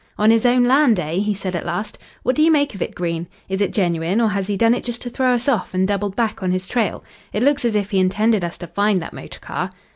"On his own land, eh?" he said at last. "What do you make of it, Green? Is it genuine, or has he done it just to throw us off, and doubled back on his trail? It looks as if he intended us to find that motor car."